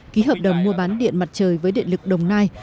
ký hợp đồng mua bán điện mặt trời với điện lực đồng nai